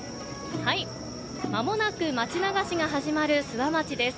まもなく町流しが始まる諏訪町です。